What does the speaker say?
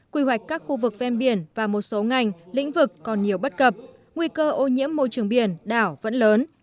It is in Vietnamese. quy hoạch các khu vực ven biển và một số ngành lĩnh vực còn nhiều bất cập nguy cơ ô nhiễm môi trường biển đảo vẫn lớn